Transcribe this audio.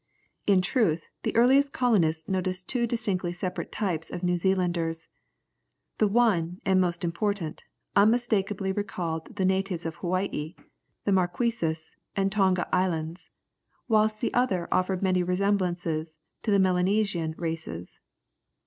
In truth, the earliest colonists noticed two distinctly separate types in the New Zealanders. The one, and most important, unmistakably recalled the natives of Hawaii, the Marquisas, and Tonga Islands, whilst the other offered many resemblances to the Melanesian races.